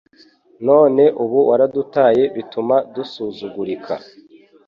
None ubu waradutaye bituma dusuzugurika